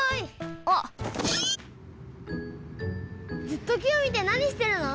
ずっときをみてなにしてるの？